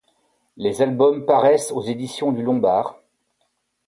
Les albums paraissent aux Éditions du Lombard.